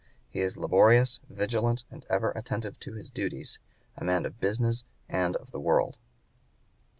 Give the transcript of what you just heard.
He is laborious, vigilant, and ever attentive to his duties; a man of business and of the world."